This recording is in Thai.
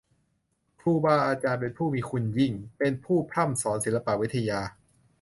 ครูบาอาจารย์เป็นผู้มีคุณยิ่ง เป็นผู้พร่ำสอนศิลปะวิทยา